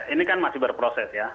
ini kan masih berproses ya